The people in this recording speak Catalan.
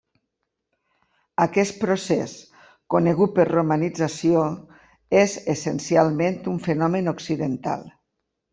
Aquest procés, conegut per romanització, és essencialment un fenomen occidental.